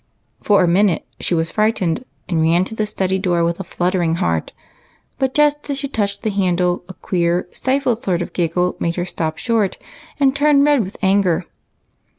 For a minute she was frightened, and ran to the study door with a fluttering heart, but just as she touched the handle a queer, stifled sort of giggle made her stop short and turn red with anger.